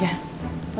udah terjadi juga kan